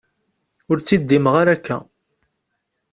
Ur ttiddimeɣ ara akka.